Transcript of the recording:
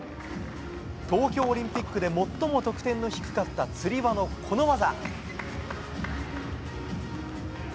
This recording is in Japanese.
東京オリンピックで最も得点の低かったつり輪のこの技。